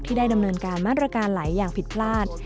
ได้ดำเนินการมาตรการไหลอย่างผิดพลาด